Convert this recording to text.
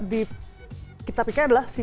dikita pikir adalah